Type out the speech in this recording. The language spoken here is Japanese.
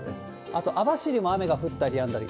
あと網走も雨が降ったりやんだり。